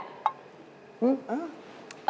หึอะ